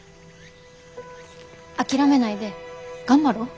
諦めないで頑張ろう。